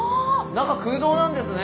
中空洞なんですね。